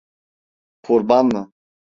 Kurban mı?